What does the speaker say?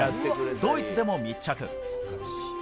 ドイツでの密着。